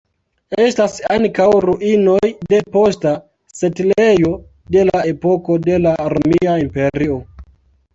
Estas ankaŭ ruinoj de posta setlejo de la epoko de la Romia Imperio.